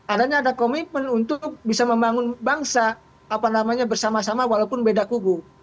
artinya ada komitmen untuk bisa membangun bangsa apa namanya bersama sama walaupun beda kubu